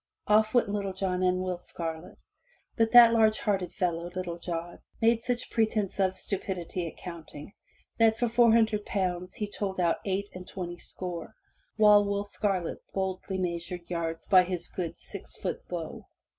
*' Off went Little John and Will Scarlet, but that large hearted fellow, Little John, made such pretense of stupidity at counting, that for four hundred pounds he told out eight and twenty score, while Will Scarlet boldly measured yards by his good six foot bow.